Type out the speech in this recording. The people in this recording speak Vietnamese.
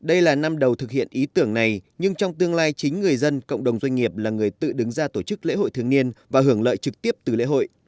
đây là năm đầu thực hiện ý tưởng này nhưng trong tương lai chính người dân cộng đồng doanh nghiệp là người tự đứng ra tổ chức lễ hội thường niên và hưởng lợi trực tiếp từ lễ hội